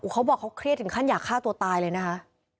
เขาบอกเขาเครียดถึงขั้นอยากฆ่าตัวตายเลยนะคะ